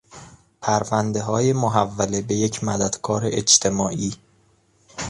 پروندههای محوله به یک مدد کار اجتماعی